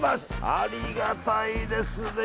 ありがたいですね。